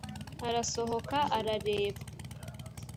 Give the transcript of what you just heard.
arasohoka arareba